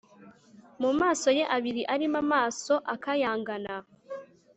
Mu maso ye abiri arimo amaso akayangana